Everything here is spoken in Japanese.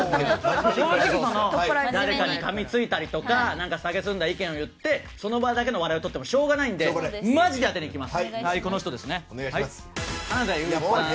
正直、誰かにかみついたりとかさげすんだ意見を言ってその場だけの笑いを取ってもしょうがないんでマジで当てにいきます。